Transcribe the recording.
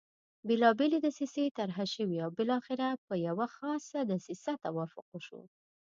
بېلابېلې دسیسې طرح شوې او بالاخره پر یوه خاصه دسیسه توافق وشو.